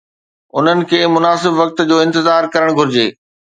انهن کي مناسب وقت جو انتظار ڪرڻ گهرجي.